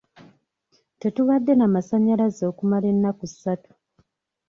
Tetubadde na masanyalaze okumala ennaku satu.